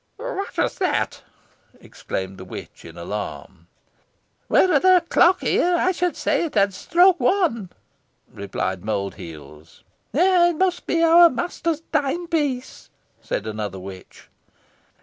"What was that?" exclaimed the witch, in alarm. "Were there a clock here, I should say it had struck one," replied Mould heels. "It must be our master's timepiece," said another witch.